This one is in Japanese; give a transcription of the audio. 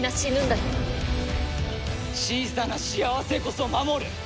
小さな幸せこそ守る。